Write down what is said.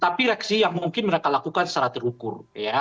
tapi reaksi yang mungkin mereka lakukan secara terukur